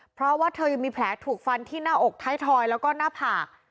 เพราะว่าเธอยังมีแผลถูกฟันที่หน้าอกท้ายทอยแล้วก็หน้าผาก